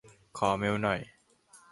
ขอเมลหน่อย